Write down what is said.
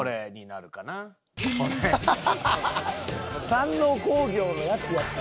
山王工業のヤツやって！